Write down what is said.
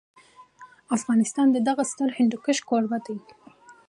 افغانستان د دغه ستر هندوکش کوربه دی.